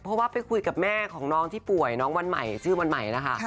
เพราะว่าไปคุยกับแม่ของน้องที่ป่วยน้องวันใหม่ชื่อวันใหม่นะคะ